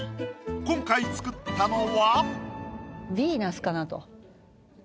今回作ったのは。